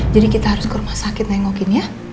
jadi kita harus ke rumah sakit nengokin ya